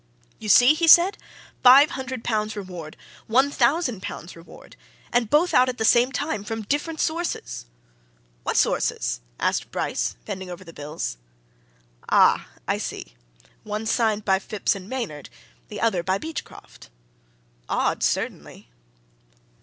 "You see?" he said. "Five Hundred Pounds Reward! One Thousand Pounds Reward! And both out at the same time, from different sources!" "What sources?" asked Bryce, bending over the bills. "Ah I see. One signed by Phipps & Maynard, the other by Beachcroft. Odd, certainly!"